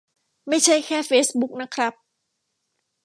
ไม่ใช่แค่เฟซบุ๊กนะครับ